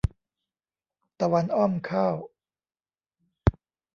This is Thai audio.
ตะวันอ้อมข้าว